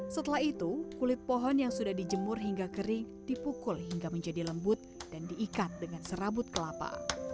setelah itu kulit pohon yang sudah dijemur hingga kering dipukul hingga menjadi lembut dan diikat dengan serabut kelapa